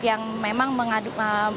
yang memang mengadu